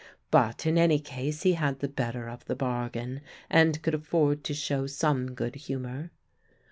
But in any case he had the better of the bargain and could afford to show some good humour.